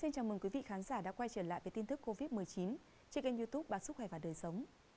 chào mừng quý vị khán giả đã quay trở lại với tin thức covid một mươi chín trên kênh youtube bản sức khỏe và đời sống